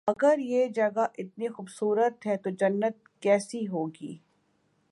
اگر یہ جگہ اتنی خوب صورت ہے تو جنت کیسی ہو گی